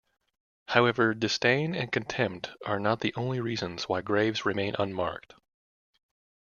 However, disdain and contempt are not the only reasons why graves remain unmarked.